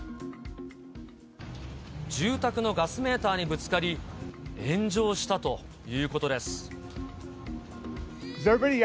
住宅のガスメーターにぶつかり、炎上したということです。